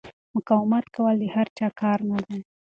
مقاومت کول د هر چا کار نه دی.